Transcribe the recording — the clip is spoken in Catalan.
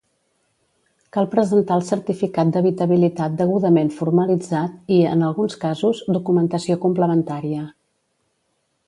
Cal presentar el certificat d'habitabilitat degudament formalitzat i, en alguns casos, documentació complementària.